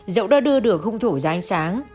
dẫu đã đưa được hung thủ ra ánh sáng